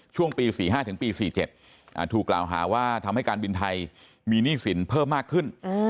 ช่วงปี๔๕ถึงปี๔๗ถูกกล่าวหาว่าทำให้การบินไทยมีหนี้สินเพิ่มมากขึ้น